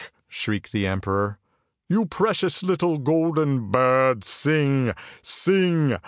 " shrieked the emperor. " You precious little golden bird, sing, sing!